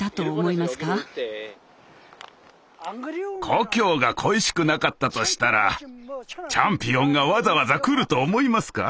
故郷が恋しくなかったとしたらチャンピオンがわざわざ来ると思いますか？